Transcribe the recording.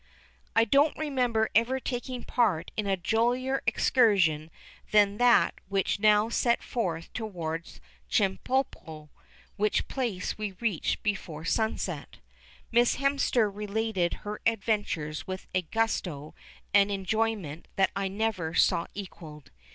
I don't remember ever taking part in a jollier excursion than that which now set forth towards Chemulpo, which place we reached before sunset. Miss Hemster related her adventures with a gusto and enjoyment that I never saw equalled.